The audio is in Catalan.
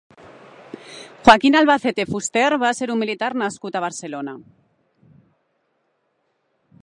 Joaquín Albacete Fuster va ser un militar nascut a Barcelona.